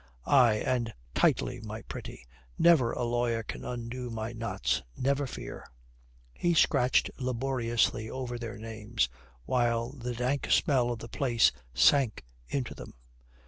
Aye, and tightly, my pretty. Never a lawyer can undo my knots, never fear." He scratched laboriously over their names, while the dank smell of the place sank into them.